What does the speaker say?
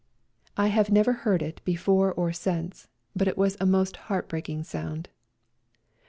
I have never heard it before or since, but it was a most heartbreaking sound.